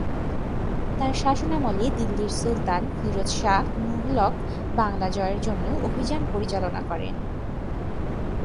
তার শাসনামলে দিল্লীর সুলতান ফিরোজ শাহ তুঘলক বাংলা জয়ের জন্য অভিযান পরিচালনা করেন।